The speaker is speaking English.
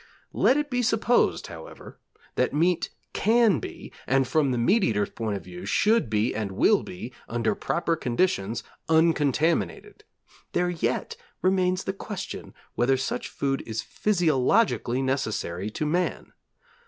Let it be supposed, however, that meat can be, and from the meat eater's point of view, should be and will be under proper conditions, uncontaminated, there yet remains the question whether such food is physiologically necessary to man.